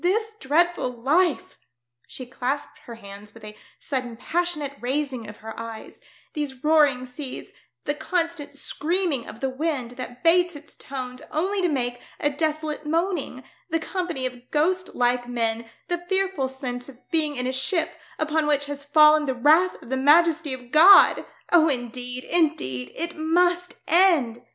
This dreadful life I" she clasped her hands with a sudden passionate raising of her eyes, " these roaring seas, the constant screaming of the wind that bates its tones only to make a desolate moaning, the company of ghost like men, the fearful sense of being in a ship upon which has fallen the wrath of the majesty of God ! Oh, indeed, indeed it must end